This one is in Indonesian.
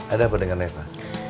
ada apa dengan reva